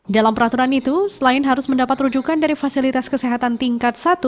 dalam peraturan itu selain harus mendapat rujukan dari fasilitas kesehatan tingkat satu